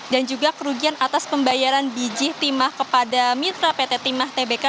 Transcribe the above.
dan juga kerugian atas pembayaran biji timah kepada mitra pt timah tbk